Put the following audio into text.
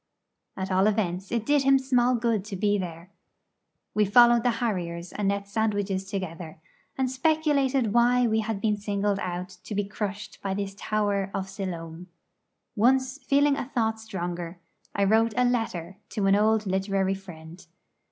At all events it did him small good to be there. We followed the harriers and ate sandwiches together, and speculated why we had been singled out to be crushed by this tower of Siloam. Once, feeling a thought stronger, I wrote a letter to an old literary friend.